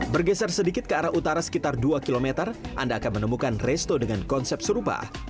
bergeser sedikit ke arah utara sekitar dua km anda akan menemukan resto dengan konsep serupa